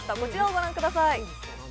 ご覧ください。